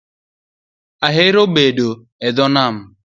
Ahero bedo e dhoo nam